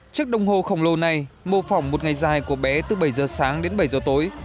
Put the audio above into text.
trước đồng hồ khổng lồ này mô phỏng một ngày dài của bé từ bảy h sáng đến bảy h tối